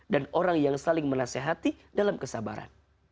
dan orang yang saling menasehati dalam kesabaran